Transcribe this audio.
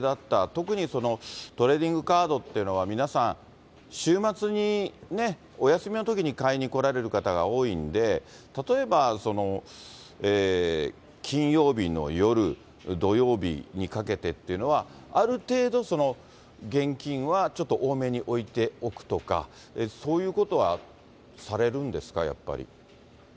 特にトレーディングカードっていうのは、皆さん、週末にね、お休みのときに買いに来られる方が多いんで、例えば、金曜日の夜、土曜日にかけてっていうのは、ある程度、現金はちょっと多めに置いておくとか、そういうことはされるんですか、やっぱり。